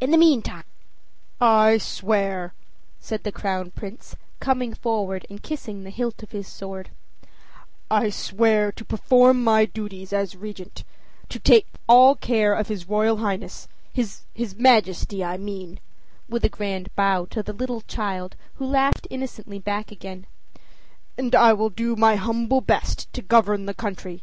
In the meantime " "I swear," said the Crown Prince, coming forward and kissing the hilt of his sword "I swear to perform my duties as Regent, to take all care of his Royal Highness his Majesty, I mean," with a grand bow to the little child, who laughed innocently back again. "And I will do my humble best to govern the country.